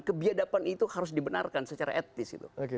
kebiadaban itu harus dibenarkan secara etis gitu